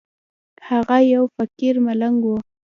هغه يو فقير ملنگ و.